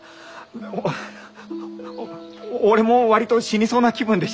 あお俺も割と死にそうな気分でしたよ。